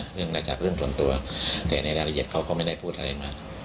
มาจากเรื่องส่วนตัวแต่ในรายละเอียดเขาก็ไม่ได้พูดอะไรมาก